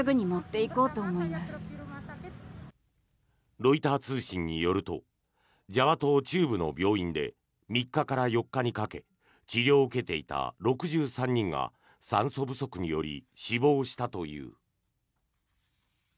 ロイター通信によるとジャワ島中部の病院で３日から４日にかけ治療を受けていた６３人が酸素不足により死亡したという。